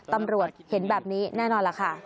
ตำรวจเห็นแบบนี้แน่นอนล่ะค่ะ